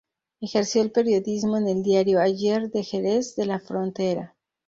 Ejerció el periodismo en el diario "Ayer" de Jerez de la Frontera.